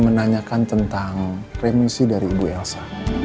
menanyakan tentang remisi dari ibu elsa